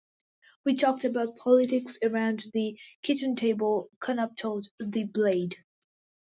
"We talked about politics around the kitchen table," Konop told "The Blade".